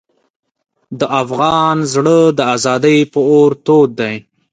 د افغان زړه د ازادۍ په اور تود دی.